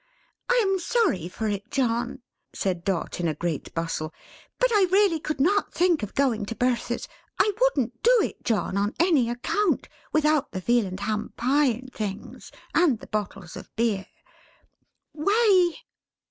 "I am sorry for it, John," said Dot in a great bustle, "but I really could not think of going to Bertha's I wouldn't do it, John, on any account without the Veal and Ham Pie and things, and the bottles of Beer. Way!"